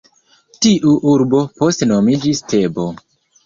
Tiu urbo poste nomiĝis Tebo.